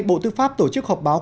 bộ tư pháp tổ chức họp báo